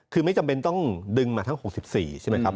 คือไม่จำเป็นต้องดึงมาทั้ง๖๔ใช่ไหมครับ